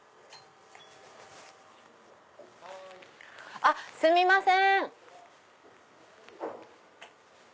あっすみません。